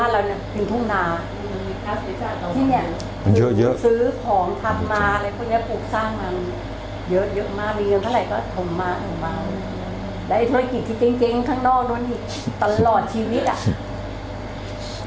แล้วไอ้ธุรกิจที่เจ้งเจ้งข้างนอกด้วยนี่ตลอดชีวิตอะ